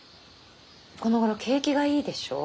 このごろ景気がいいでしょ？